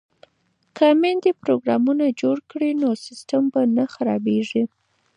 که میندې پروګرامونه جوړ کړي نو سیسټم به نه خرابیږي.